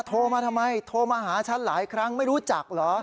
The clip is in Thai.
โทรมาทำไมโทรมาหาฉันหลายครั้งไม่รู้จักเหรอ